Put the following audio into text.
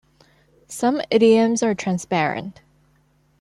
Some idioms are transparent.